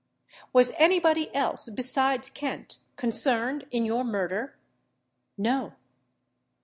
"Was any body else, besides Kent, concerned in your murder?" "No."